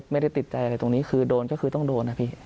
ไม่ได้ติดใจอะไรตรงนี้คือโดนก็คือต้องโดนนะพี่